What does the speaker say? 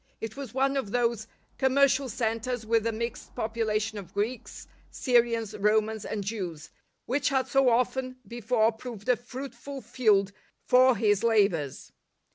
It was one of those com 76 LIFE OF ST. PAUL inei'cial centres with a mixed population of Greeks, Syrians, Romans, and Jews, which had so often before proved a fruitful field for his labours.